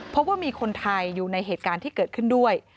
เพราะว่ามีคนไทยอยู่ในเหตุการณ์ที่เกิดขึ้นด้วย